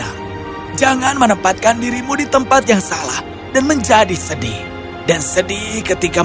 ayo jangan menempatkan dirimu di tempat yang salah dan menjadi sedih dan sedih ketika